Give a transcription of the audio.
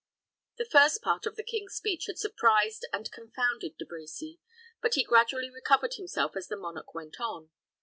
The first part of the king's speech had surprised and confounded De Brecy; but he gradually recovered himself as the monarch went on.